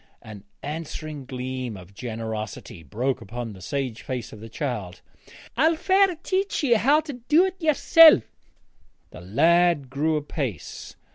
An answering gleam of generosity broke upon the sage face of the child. 'I'll fair teach ye how to dae't ye'sel'.' The lad grew apace.